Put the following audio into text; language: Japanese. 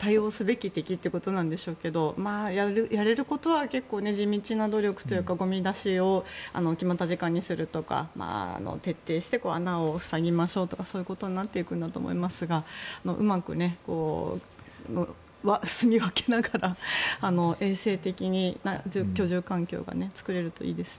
対応すべき敵ということなんでしょうけどやれることは結構、地道な努力というかゴミ出しを決まった時間にするとか徹底して穴を塞ぎましょうとかそういうことになっていくんだと思いますがうまくすみ分けながら衛生的な居住関係が作れるといいですね。